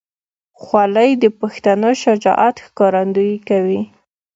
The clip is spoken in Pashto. خولۍ د پښتنو شجاعت ښکارندویي کوي.